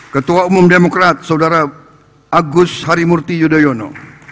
ketua umum demokrat saudara agus harimurti yudhoyono